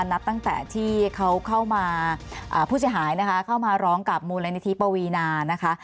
นับตั้งแต่ที่เขาเข้ามาผู้เสียหายนะคะเข้ามาร้องกับมูลนิธิปวีนานะคะ